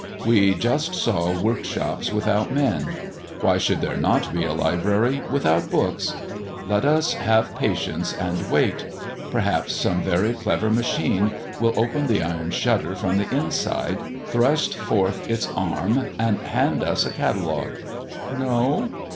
We just saw workshops without men; why should there not be a library without books? Let us have patience and wait. Perhaps some very clever machine will open the iron shutter from the inside, thrust forth its arm, and hand us a catalogue. No?